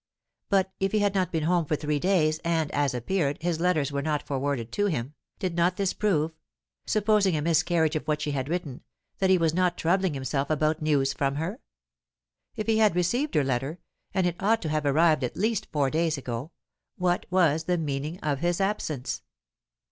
But if he had not been home for three days, and, as appeared, his letters were not forwarded to him, did not this prove (supposing a miscarriage of what she had written) that he was not troubling himself about news from her? If he had received her letter and it ought to have arrived at least four days ago what was the meaning of his absence?